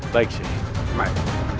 baik shek mari